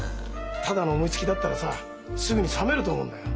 ただの思いつきだったらさすぐに冷めると思うんだよ。